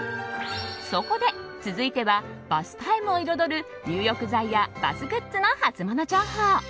そこで、続いてはバスタイムを彩る入浴剤やバスグッズのハツモノ情報。